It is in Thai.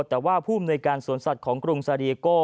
แต่ว่าผู้มนุยการศูนย์สัตว์ของกรุงซาลีโก้